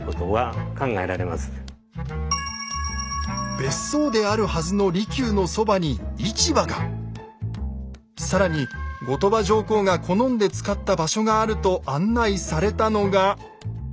別荘であるはずの更に後鳥羽上皇が好んで使った場所があると案内されたのが。